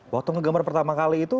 waktu ngegemar pertama kali itu